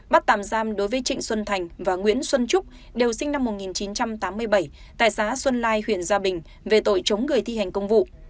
bắt tạm giam đối với trịnh xuân thành và nguyễn xuân trúc đều sinh năm một nghìn chín trăm tám mươi bảy tại xá xuân lai huyện gia bình về tội chống người thi hành công vụ